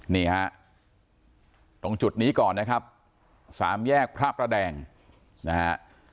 นี่ฮะตรงจุดนี้ก่อนนะครับสามแยกพระประแดงนะฮะ